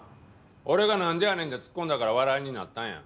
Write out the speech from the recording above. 俺が「なんでやねん」ってツッコんだから笑いになったんや。